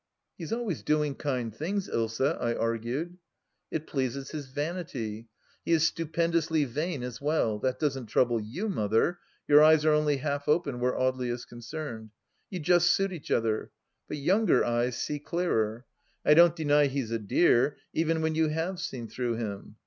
" He is always doing kind things, Dsa," I argued. " It pleases his vanity ; he is stupendously vain as well. That doesn't trouble you, Mother; your eyes are only half open where Audely is concerned. You just suit each other. But younger eyes see clearer. I don't deny he's a dear, even when you have seen through him.